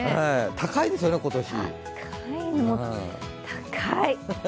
高いですよね、今年。